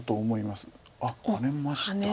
あっハネました。